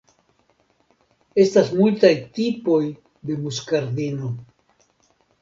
Estas multaj tipoj de muskardino.